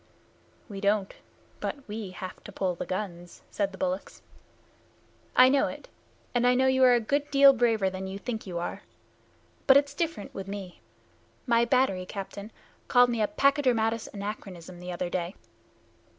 "We don't, but we have to pull the guns," said the bullocks. "I know it, and I know you are a good deal braver than you think you are. But it's different with me. My battery captain called me a Pachydermatous Anachronism the other day."